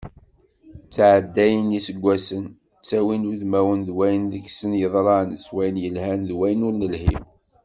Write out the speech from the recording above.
Ttɛeddayen yiseggasen, ttawin udmawen d wayen deg-sen yeḍran, s wayen yelhan d wayen ur nelhi.